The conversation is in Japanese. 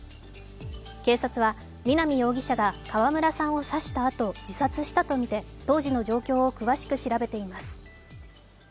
警察は南容疑者が川村さんを刺したあと自殺したとみて当時の状況を詳しく調べています。